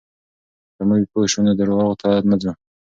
که موږ پوه شو، نو درواغو ته نه ځو.